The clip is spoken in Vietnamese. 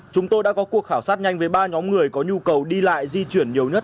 chúng tôi đã có cuộc khảo sát nhanh với ba nhóm người có nhu cầu đi lại di chuyển nhiều nhất